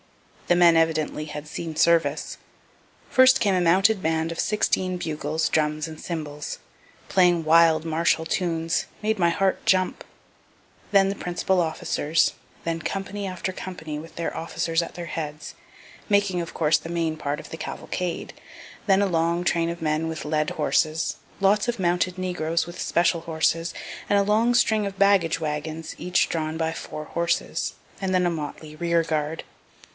The men evidently had seen service. First came a mounted band of sixteen bugles, drums and cymbals, playing wild martial tunes made my heart jump. Then the principal officers, then company after company, with their officers at their heads, making of course the main part of the cavalcade; then a long train of men with led horses, lots of mounted negroes with special horses and a long string of baggage wagons, each drawn by four horses and then a motley rear guard.